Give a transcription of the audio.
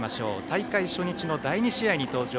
大会初日の第２試合に登場。